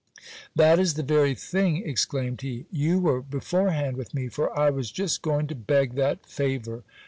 That is the very thing, exclaimed he. You were beforehand with me, for I was just going to beg that favour.